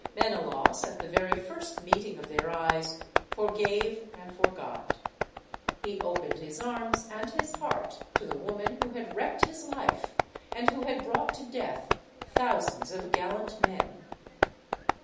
Mene > laus, at the very first meeting of their eyes, forgave and forgot. He opened his arms and his heart to the Woman who had wrecked his life and who had brought to death thousands of gallant men.